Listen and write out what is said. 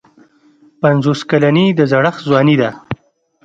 پنځوس کلني د زړښت ځواني ده.